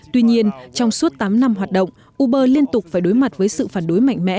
tuy nhiên trong suốt tám năm hoạt động uber liên tục phải đối mặt với sự phản đối mạnh mẽ